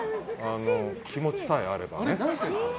気持ちさえあればね。